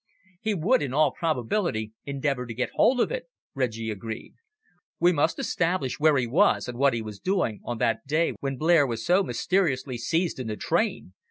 "He would, in all probability, endeavour to get hold of it," Reggie agreed. "We must establish where he was and what he was doing on that day when Blair was so mysteriously seized in the train.